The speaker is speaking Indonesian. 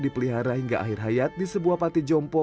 dipelihara hingga akhir hayat di sebuah panti jompo